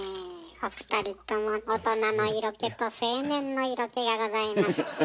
お二人とも大人の色気と青年の色気がございます。